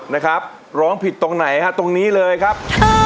นะครับร้องผิดตรงไหนฮะตรงนี้เลยครับ